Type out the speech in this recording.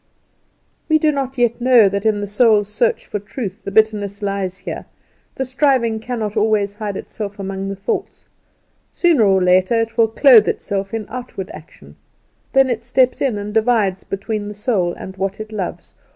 We do not yet know that in the soul's search for truth the bitterness lies here, the striving cannot always hide itself among the thoughts; sooner or later it will clothe itself in outward action; then it steps in and divides between the soul and what it loves.